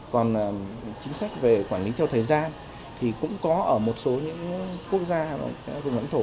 còn chính sách về quản lý theo thời gian thì cũng có ở một số những quốc gia vùng lãnh thổ